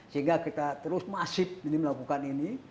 sehingga kita terus masif melakukan ini